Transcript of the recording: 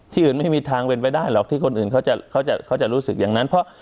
อื่นไม่มีทางเป็นไปได้หรอกที่คนอื่นเขาจะเขาจะรู้สึกอย่างนั้นเพราะ